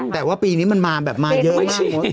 แต่ว่าปีนี้มันมาเยอะมาก